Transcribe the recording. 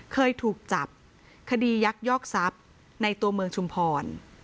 เคยถูกจับคดียักยอกทรัพย์ในตัวเมืองชุมพร